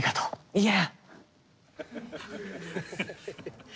いや。